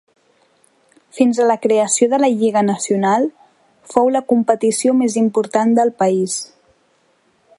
Fins a la creació de la Lliga Nacional fou la competició més important del país.